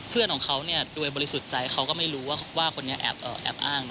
เพื่อนของเขาโดยบริสุทธิ์ใจเขาก็ไม่รู้ว่าคนนี้แอบอ้าง